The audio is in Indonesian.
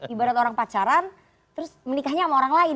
ibarat orang pacaran terus menikahnya sama orang lain